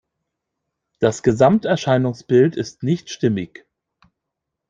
Das Gesamterscheinungsbild ist nicht stimmig.